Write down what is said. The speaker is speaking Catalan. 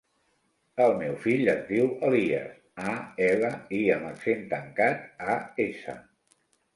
El meu fill es diu Elías: e, ela, i amb accent tancat, a, essa.